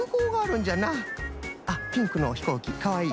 あっピンクのひこうきかわいい。